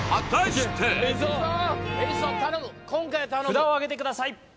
札をあげてください